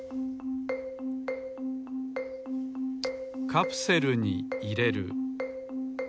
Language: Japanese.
カプセルにいれる。